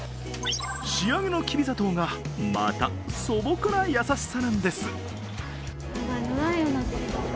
仕上げのきび砂糖がまた素朴な優しさなんです。